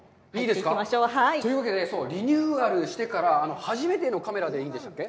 いいですか？というわけで、リニューアルしてから初めてのカメラでいいんでしたっけ。